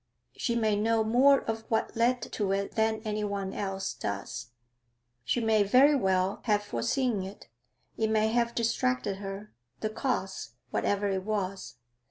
She may know more of what led to it than anyone else does. She may very well have foreseen it; it may have distracted her, the cause, whatever it was.